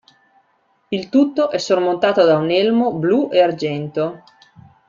Il tutto è sormontato da un elmo blu e argento.